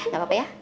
gak apa apa ya